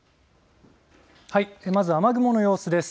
まず雨雲の様子です。